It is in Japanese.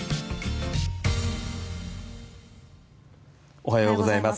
おはようございます。